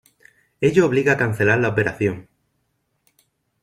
Ello obliga a cancelar la operación.